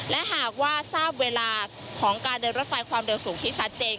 และหากว่าทราบเวลาของการเดินรถไฟความเร็วสูงที่ชัดเจน